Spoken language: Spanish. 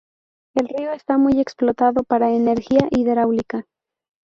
El río está muy explotado para energía hidráulica.